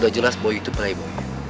udah jelas gue itu pula ibu